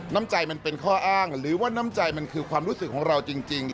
น้ำใจมันเป็นข้ออ้างหรือว่าน้ำใจมันคือความรู้สึกของเราจริง